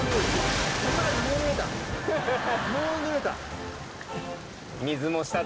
もうぬれた。